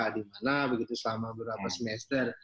di mana begitu selama beberapa semester